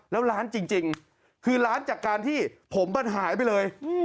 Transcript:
แล้วล้านจริงคือล้านจากการที่ผมมันหายไปเลย